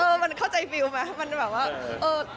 เออมันเข้าใจความเฟียวไหม